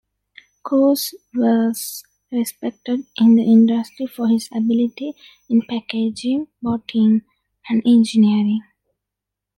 Coors was respected in the industry for his ability in packaging, bottling, and engineering.